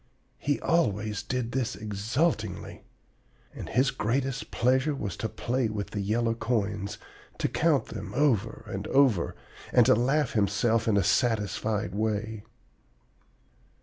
He always did this exultingly. And his greatest pleasure was to play with the yellow coins, to count them over and over, and to laugh to himself in a satisfied way.